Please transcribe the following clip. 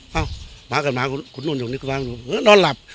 หมายการเนี่ยมหาคุณนู้นอยู่นี้แบบนั้นลาบ